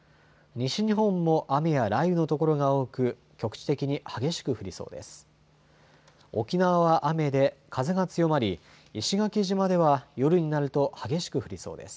西日本も雨や雷雨の所が多く局地的に激しく降りそうです。